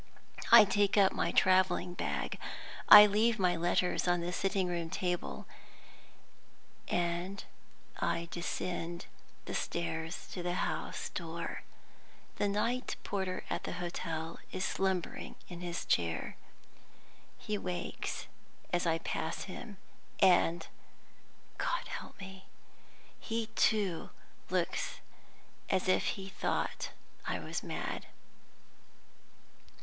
I take up my traveling bag; I leave my letters on the sitting room table; and I descend the stairs to the house door. The night porter at the hotel is slumbering in his chair. He wakes as I pass him; and (God help me!) he too looks as if he thought I was mad.